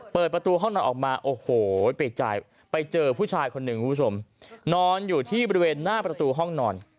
เปิดประตูห้องนอนออกมาโอ้โหไปเจอผู้ชายคนหนึ่งคุณผู้ชมนอนอยู่ที่บริเวณหน้าประตูห้องนอน